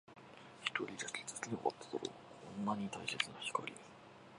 一人じゃ何一つ気づけなかっただろう。こんなに大切な光に。